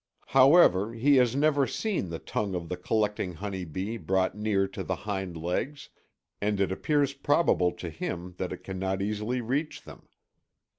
However, he has never seen the tongue of the collecting honey bee brought near to the hind legs, and it appears probable to him that it can not easily reach them.